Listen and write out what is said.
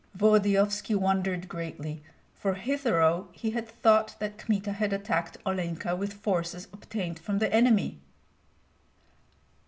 Volodyovski wondered greatly, for hitherto he had thought that Kmita had attacked Olenka with forces obtained from the enemy.